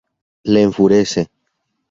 Le enfurece.